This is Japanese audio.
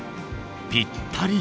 ぴったり。